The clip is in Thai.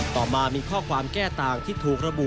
ต่อมามีข้อความแก้ต่างที่ถูกระบุ